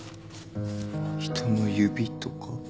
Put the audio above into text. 人の指とか。